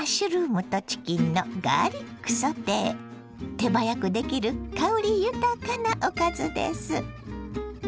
手早くできる香り豊かなおかずです。